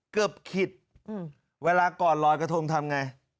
เกือบคิดเวลาก่อนลอยกระทงทำไง